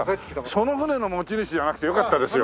その船の持ち主じゃなくてよかったですよ。